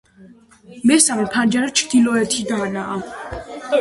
მესამე ფანჯარა ჩრდილოეთიდანაა.